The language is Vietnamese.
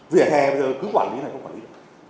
việc hè bây giờ cứ quản lý hay không quản lý